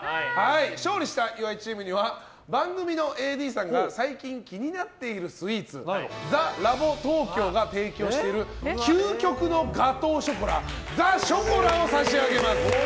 勝利した岩井チームには番組のＡＤさんが最近気になっているスイーツＴＨＥＬＡＢＴＯＫＹＯが提供している究極のガトーショコラＴＨＥｃｈｏｃｏｌａを差し上げます。